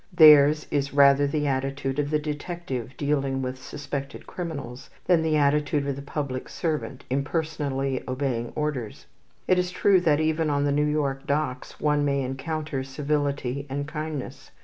Theirs is rather the attitude of the detective dealing with suspected criminals than the attitude of the public servant impersonally obeying orders. It is true that even on the New York docks one may encounter civility and kindness.